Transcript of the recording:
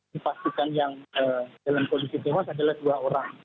dipastikan yang dalam kondisi tewas adalah dua orang